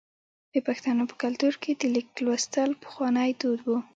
د پښتنو په کلتور کې د لیک لوستل پخوانی دود و.